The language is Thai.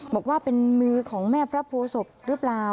บอกว่าเป็นมือของแม่พระโพศพหรือเปล่า